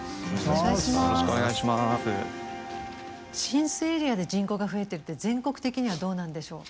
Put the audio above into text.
浸水エリアで人口が増えてるって全国的にはどうなんでしょう。